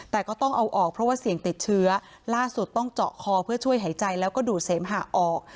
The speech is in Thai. แต่ก็ต้องเอาออกเพราะว่าเสี่ยงติดเชื้อล่าสุดต้องเจาะคอเพื่อช่วยหายใจแล้วก็ดูดเสมหะออก